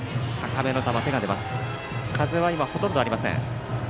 風は今、ほとんどありません。